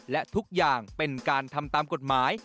และทุกอย่างเป็นการทำตามกฎหมาย